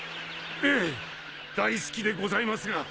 ええ大好きでございますが